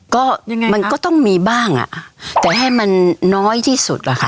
ก็มันก็ต้องมีบ้างแต่ให้มันน้อยที่สุดค่ะ